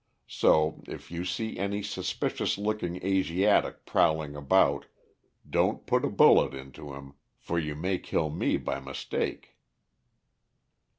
So if you see any suspicious looking Asiatic prowling about, don't put a bullet into him, for you may kill me by mistake."